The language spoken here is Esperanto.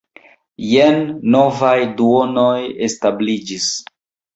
Jen novaj duonoj establiĝis.